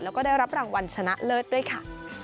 แล้วก็ได้รับรางวัลชนะเลิศด้วยค่ะ